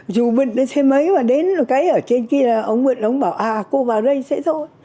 dù bệnh nó sẽ mấy mà đến cái ở trên kia là ông bệnh ông bảo à cô vào đây sẽ thôi